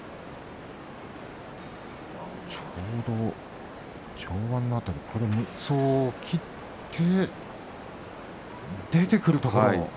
ちょうど上腕の辺り無双を切って出てくるところを。